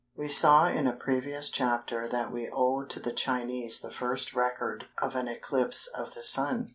We saw in a previous chapter that we owe to the Chinese the first record of an eclipse of the Sun.